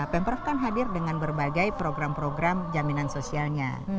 pemprov kan hadir dengan berbagai program program jaminan sosialnya